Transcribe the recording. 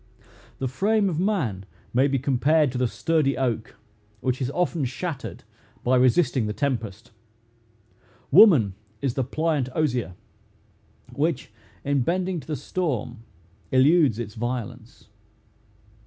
The frame of man may be compared to the sturdy oak, which is often shattered by resisting the tempest. Woman is the pliant osier, which, in bending to the storm, eludes its violence.